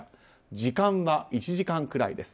時間は１時間くらいです。